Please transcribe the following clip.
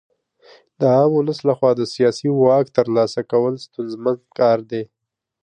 د عام ولس لخوا د سیاسي واک ترلاسه کول ستونزمن کار دی.